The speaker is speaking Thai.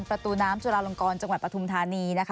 ประตูน้ำจราลงคลจังหวัดปทุมธานี